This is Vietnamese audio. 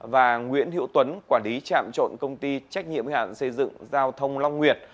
và nguyễn hiệu tuấn quản lý chạm trộn công ty trách nhiệm hữu hạn xây dựng giao thông long nguyệt